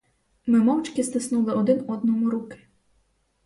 Ми мовчки стиснули один одному руки.